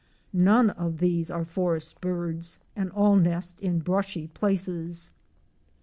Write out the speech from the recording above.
'*! None of these are forest birds and all nest in brushy places.